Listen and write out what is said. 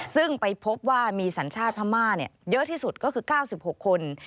ซึ่งไปพบว่ามีสัญชาติพม่าเยอะที่สุดก็คือ๙๖คน